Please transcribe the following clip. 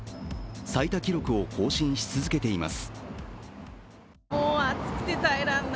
最多記録を更新し続けています。